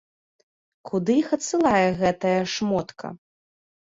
Куды іх адсылае гэтая шмотка?